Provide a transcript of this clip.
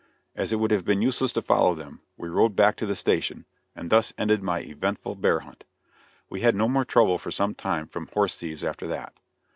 As it would have been useless to follow them, we rode back to the station; and thus ended my eventful bear hunt. We had no more trouble for some time from horse thieves after that.